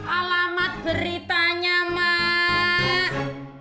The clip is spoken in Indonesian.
alamat beritanya mak